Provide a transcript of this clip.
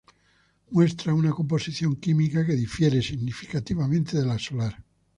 Muestra una composición química que difiere significativamente de la solar.